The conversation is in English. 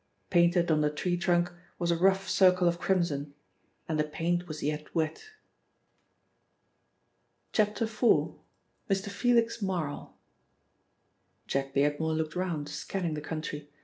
Painted on the tree trunk was a rough circle of crimson, and the paint was yet wet. IV. — MR. FELIX MARL JACK BEARDMORE looked round, scanning the country.